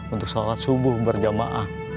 untuk sholat subuh berjamaah